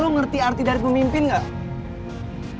lo ngerti arti dari pemimpin gak